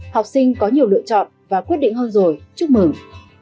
học sinh có nhiều lựa chọn và quyết định hơn rồi chúc mừng